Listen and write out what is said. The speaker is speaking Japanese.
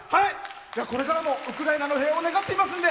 これからもウクライナの平和を願っておりますので。